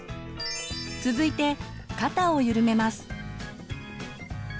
続いて肩をゆるめます。